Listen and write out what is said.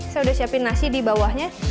saya udah siapin nasi di bawahnya